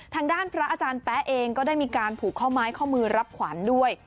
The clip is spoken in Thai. ทางด้านพระอาจารย์แป๊ะเองก็ได้มีการผูกข้อไม้ข้อมือรับขวัญด้วย